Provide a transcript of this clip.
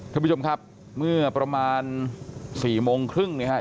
ท่านผู้ชมครับเมื่อประมาณ๔โมงครึ่งนะครับ